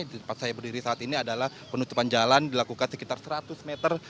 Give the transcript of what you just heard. di tempat saya berdiri saat ini adalah penutupan jalan dilakukan sekitar seratus meter